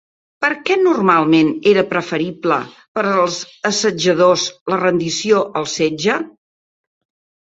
Per què normalment era preferible per als assetjadors la rendició al setge?